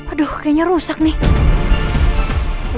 aduh kayaknya rusak nih